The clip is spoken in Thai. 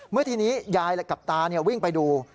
เมื่อทีนี้ยายกับตาเนี่ยวิ่งไปดู